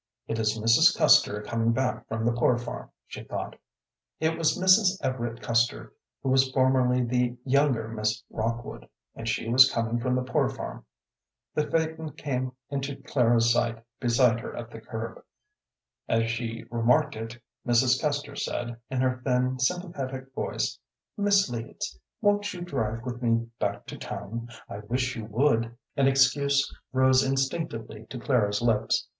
"It is Mrs. Custer coming back from the Poor Farm," she thought. It was Mrs. Everett Custer, who was formerly the younger Miss Rockwood, and she was coming from the Poor Farm. The phaeton came into Clara's sight beside her at the curb. As she remarked it, Mrs. Custer said, in her thin, sympathetic voice, "Miss Leeds, won't you drive with me back to town? I wish you would." An excuse rose instinctively to Clara's lips.